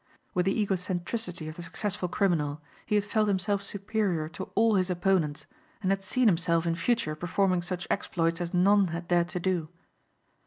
With the egocentricity of the successful criminal he had felt himself superior to all his opponents and had seen himself in future performing such exploits as none had dared to do.